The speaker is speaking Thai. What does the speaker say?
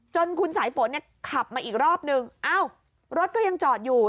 คุณสายฝนเนี่ยขับมาอีกรอบนึงอ้าวรถก็ยังจอดอยู่